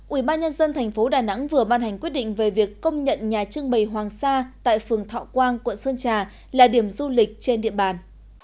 ubnd tp đà nẵng vừa ban hành quyết định về việc công nhận nhà trưng bày hoàng sa tại phường thọ quang quận sơn trà là điểm du lịch trên địa bàn